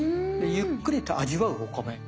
ゆっくりと味わうお米。